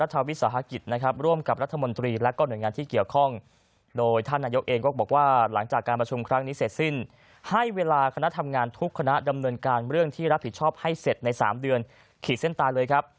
ให้เสร็จใน๓เดือนขีดเส้นตาเลยครับ